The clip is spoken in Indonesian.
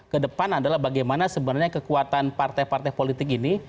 kedepan adalah bagaimana sebenarnya kekuatan partai partai politik ini